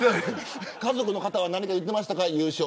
家族の方は何か言っていましたか。